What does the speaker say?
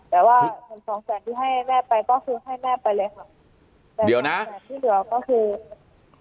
แต่ว่าสองแสนที่ให้แม่ไปก็ซื้อให้แม่ไปเลยค่ะเดี๋ยวนะแต่สองแสนที่เหลือก็คือ